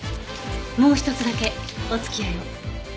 もう一つだけお付き合いを。